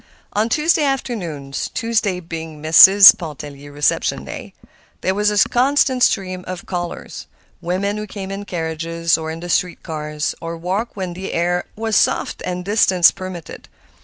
On Tuesday afternoons—Tuesday being Mrs. Pontellier's reception day—there was a constant stream of callers—women who came in carriages or in the street cars, or walked when the air was soft and distance permitted.